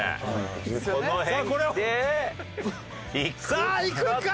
さあいくか？